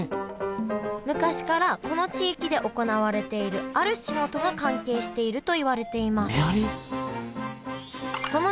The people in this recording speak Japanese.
昔からこの地域で行われているある仕事が関係しているといわれていますめはり！？